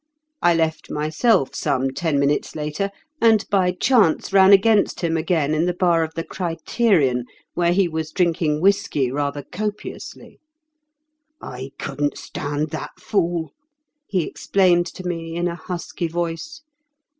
I left myself some ten minutes later, and by chance ran against him again in the bar of the 'Criterion,' where he was drinking whisky rather copiously. 'I couldn't stand that fool,' he explained to me in a husky voice.